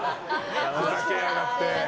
ふざけやがって。